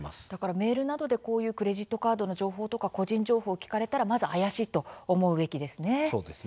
メールなどでこういうクレジットカードの情報個人情報を聞かれたらまず怪しいと思うべきですね。